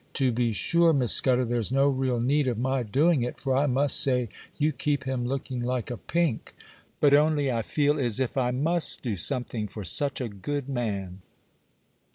To be sure, Miss Scudder, there's no real need of my doing it, for I must say you keep him looking like a pink; but only I feel as if I must do something for such a good man.